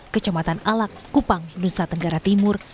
kecamatan alak kupang nusa tenggara timur